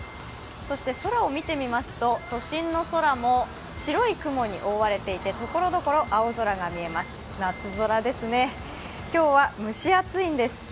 そして空を見てみますと都心の空も白い雲に覆われていてところどころ青空が見えます、夏空ですね。